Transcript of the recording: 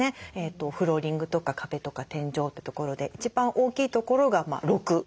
フローリングとか壁とか天井ってところで一番大きいところが６。